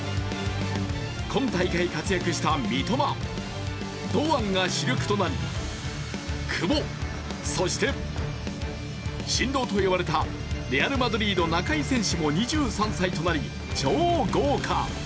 今大会活躍した三笘、堂安が主力となり久保、そして、神童といわれたレアル・マドリード、中井選手も２３歳となり超豪華。